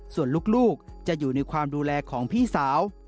ส่วนลูกจะอยู่ในความดูแลของพี่สาว